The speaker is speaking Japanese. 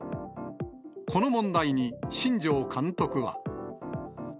この問題に新庄監督は。